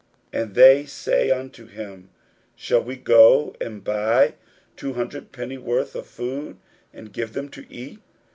And they say unto him, Shall we go and buy two hundred pennyworth of bread, and give them to eat?